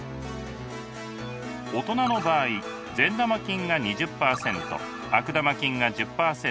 大人の場合善玉菌が２０％悪玉菌が１０％